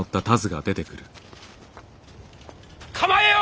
構えよ！